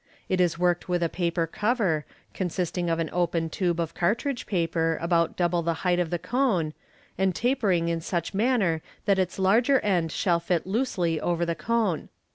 It is worked with a paper cover, consisting of an open tube of cartridge paper about double the height of the cone, and tapering in such manner that its larger end shall fit loosely over the cone.